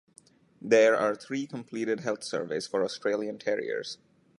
There are three completed health surveys for Australian Terriers.